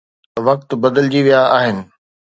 وقت بدلجي ويا آهن.